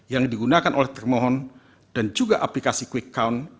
yang digunakan oleh termohon dan juga aplikasi quick count yang dipakai oleh lembaga survei